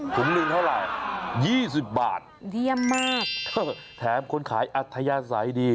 เหนื่อยเท่าไหร่๒๐บาทเท็มคนขายอัทยาศาสตร์ดี